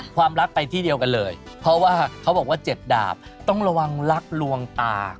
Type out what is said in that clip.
ความรักไปที่เดียวกันเลยเพราะว่าเขาบอกว่าเจ็บดาบต้องระวังรักลวงตา